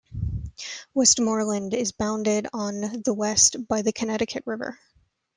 Westmoreland is bounded on the west by the Connecticut River.